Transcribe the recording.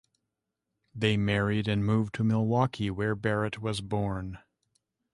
They married and moved to Milwaukee, where Barrett was born.